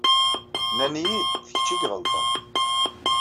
Nnan-iyi-d d kečč i iɣelṭen.